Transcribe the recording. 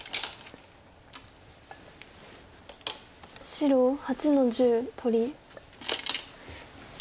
白８の十取り。